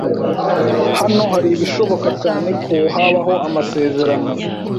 Hano haribishoboka cyane ko habaho amasezerano.